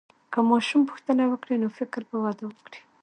که ماشوم پوښتنه وکړي، نو فکر به وده وکړي.